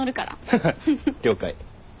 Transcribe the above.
ハハッ了解。